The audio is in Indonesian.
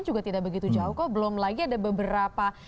juga tidak begitu jauh kok belum lagi ada beberapa